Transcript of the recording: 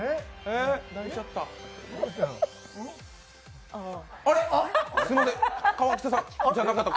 泣いちゃった。